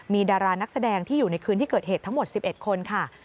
มีดารานักแสดงที่อยู่ในคืนที่เกิดเหตุทั้งหมด๑๑คนค่ะ